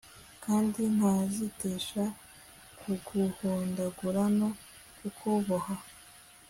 kandi ntazitesha kuguhondagura no kukuboha